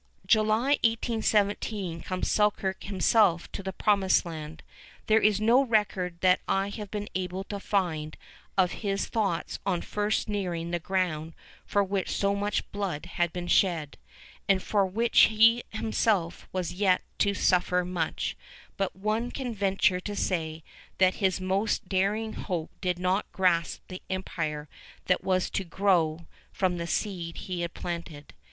[Illustration: MONUMENT TO COMMEMORATE THE MASSACRE OF SEVEN OAKS] July of 1817 comes Selkirk himself to the Promised Land. There is no record that I have been able to find of his thoughts on first nearing the ground for which so much blood had been shed, and for which he himself was yet to suffer much; but one can venture to say that his most daring hope did not grasp the empire that was to grow from the seed he had planted.